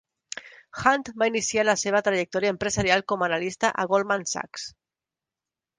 Hunt va iniciar la seva trajectòria empresarial com a analista a Goldman Sachs.